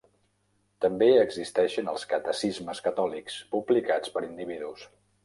També existien els Catecismes Catòlics, publicats per individus.